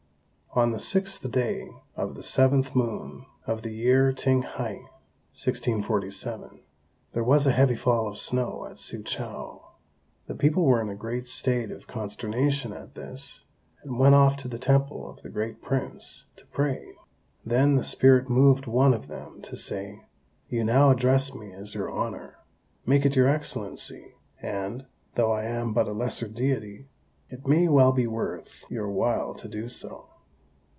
On the 6th day of the 7th moon of the year Ting Hai (1647) there was a heavy fall of snow at Soochow. The people were in a great state of consternation at this, and went off to the temple of the Great Prince to pray. Then the spirit moved one of them to say, "You now address me as Your Honour. Make it Your Excellency, and, though I am but a lesser deity, it may be well worth your while to do so."